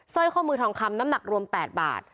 สร้อยข้อมือทองคำน้ำหนักรวม๘บาท